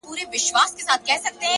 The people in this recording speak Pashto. گراني شاعري زه هم داسي يمه ـ